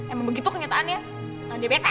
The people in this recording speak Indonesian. emang begitu kenyataannya nadia bete